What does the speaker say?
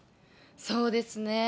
そうですね。